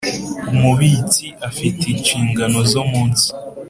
Umubitsi afite inshingano zo munsi